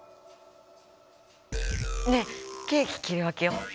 ねっケーキ切り分けよう？